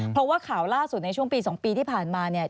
เพราะว่าข่าวล่าสุดในช่วงปี๒ปีที่ผ่านมาเนี่ย